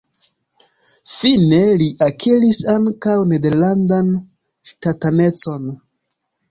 Fine li akiris ankaŭ nederlandan ŝtatanecon.